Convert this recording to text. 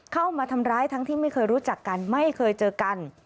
เข้ามาทำร้ายทั้งที่ไม่เคยรู้จักกันไม่เคยเจอกัน